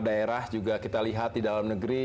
daerah juga kita lihat di dalam negeri